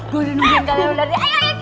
gue udah nungguin kalian udah